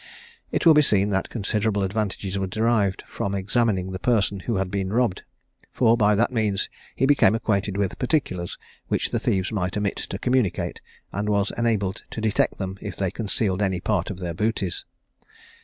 It will be seen that considerable advantages were derived from examining the person who had been robbed; for by that means he became acquainted with particulars which the thieves might omit to communicate, and was enabled to detect them if they concealed any part of their booties.